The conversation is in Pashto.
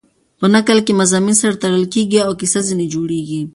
په نکل کښي مضامین سره تړل کېږي او کیسه ځیني جوړېږي.